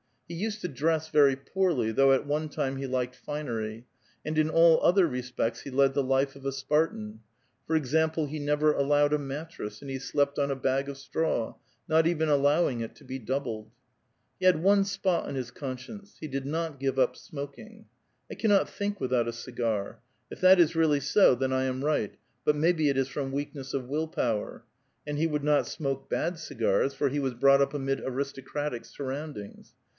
He used to dress very poorly, though xt one time he liked finery ; and in all other respects he led bhe life of a Spartan ; for example, he never allowed a mattress, and he slept on a bag of straw, not even allowing it to be doubled. He had one si>ot on his conscience, — he did not give up smoking. " I cannot think without a cigar. If that is really ao, then I am right ; but maybe it is from weakness of will power.*' And he would not smoke bad cigars, for he was brouglit up amid aristocratic surroundings.